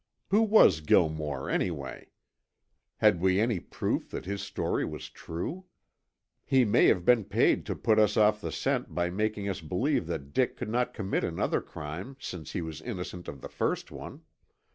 Who was Gilmore any way? Had we any proof that his story was true? He may have been paid to put us off the scent by making us believe that Dick could not commit another crime since he was innocent of the first one.